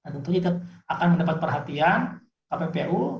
tentu kita akan mendapat perhatian kppu